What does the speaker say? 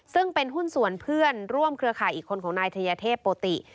ซึ่งเป็นหุ้นส่วนเพื่อนร่วมเครือข่ายอีกคนของนายทัยเทพโปติ